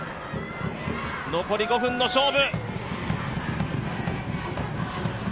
残り５分の勝負。